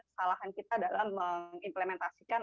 kesalahan kita dalam mengimplementasikan